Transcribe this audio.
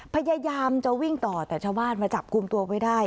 พยายามจะวิ่งต่อแต่ชาวบ้านมาจับกลุ่มตัวไว้ได้